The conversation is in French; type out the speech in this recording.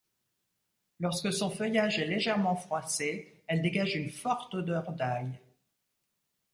Lorsque son feuillage est légèrement froissé, elle dégage une forte odeur d'ail.